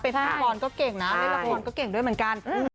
เป็นแฟนฟรรณก็เก่งนะเป็นแฟนฟรรณก็เก่งด้วยเหมือนกัน